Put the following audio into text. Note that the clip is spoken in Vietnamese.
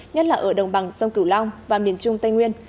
nhất là ở đồng bằng sông cửu long và miền trung tây nguyên